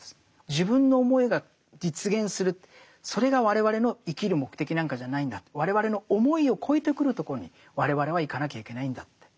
自分の思いが実現するそれが我々の生きる目的なんかじゃないんだと我々の思いを超えてくるところに我々はいかなきゃいけないんだって。